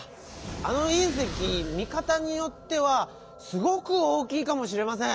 あのいん石見かたによっては「すごく大きい」かもしれません。